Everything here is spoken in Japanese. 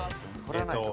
えっと。